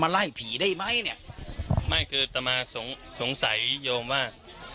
มาไล่ผีได้ไหมเนี้ยไม่คือตำมาสงฆ์สงสัยโยมว่า